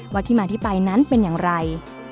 ที่มาที่ไปนั้นเป็นอย่างไร